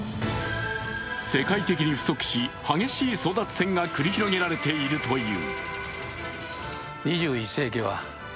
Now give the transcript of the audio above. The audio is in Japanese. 世界的に不足し、激しい争奪戦が繰り広げられているという。